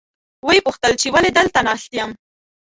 ویې پوښتل چې ولې دلته ناست یم.